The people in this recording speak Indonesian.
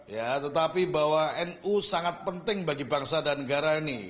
ya tetapi bahwa nu sangat penting bagi bangsa dan negara ini